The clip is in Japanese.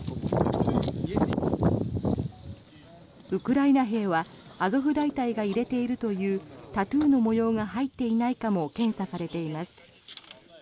ウクライナ兵はアゾフ大隊が入れているというタトゥーの模様が入っていないかも検査されています。